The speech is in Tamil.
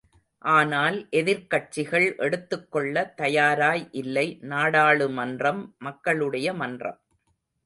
ஆனால், எதிக்கட்சிகள் எடுத்துக்கொள்ள தயாராய் இல்லை நாடாளுமன்றம் மக்களுடைய மன்றம்.